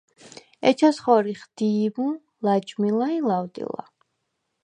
ეჩას ხორიხ: დი̄ჲმუ, ლაჯმილა ი ლავდილა.